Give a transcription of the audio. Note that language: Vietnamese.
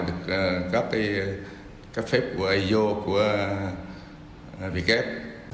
được cấp cái phép của iso của vị kép